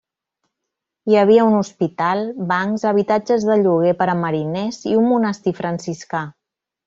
Hi havia un hospital, bancs, habitatges de lloguer per a mariners i un monestir franciscà.